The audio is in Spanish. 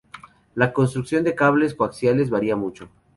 La construcción de cables coaxiales varía mucho.